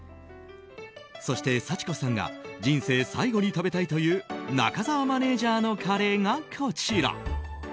そして、幸子さんが人生最後に食べたいという中澤マネジャーのカレーがこちら。